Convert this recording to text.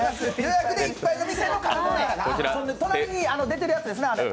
隣に出てるやつです。